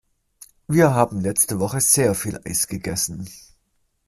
Wir haben letzte Woche sehr viel Eis gegessen.